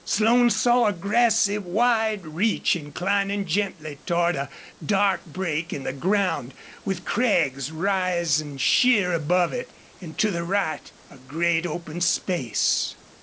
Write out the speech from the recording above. Slone saw a grassy wide reach inclining gently toward a dark break in the ground with crags rising sheer above it, and to the right a great open space.